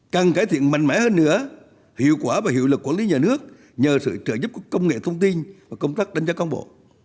cần cải thiện mạnh mẽ hơn nữa hiệu quả và hiệu lực quản lý nhà nước nhờ sự trợ giúp của công nghệ thông tin và công tác đánh giá công bộ